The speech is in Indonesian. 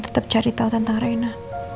tetap cari tau tentang reina